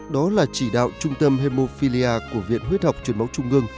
đó là chỉ đạo trung tâm hemophilia của viện huyết học truyền máu trung ương